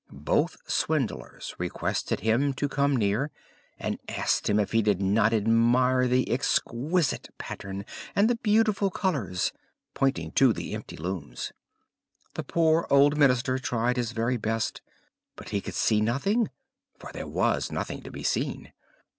Both swindlers requested him to come near, and asked him if he did not admire the exquisite pattern and the beautiful colours, pointing to the empty looms. The poor old minister tried his very best, but he could see nothing, for there was nothing to be seen.